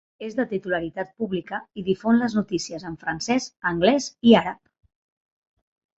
És de titularitat pública i difon les notícies en francès, anglès i àrab.